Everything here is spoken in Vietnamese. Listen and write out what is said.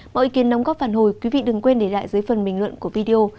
mọi ý kiến đóng góp phản hồi quý vị đừng quên để lại dưới phần bình luận của video